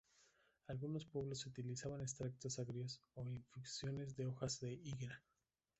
Algunos pueblos utilizaban extractos agrios o infusiones de hojas de higuera.